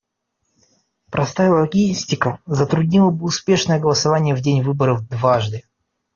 Простая логистика затруднила бы успешное голосование в день выборов дважды.